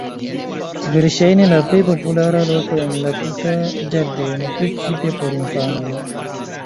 Verŝajne la plej populara loko en la tuta ĝardeno, precipe por infanoj.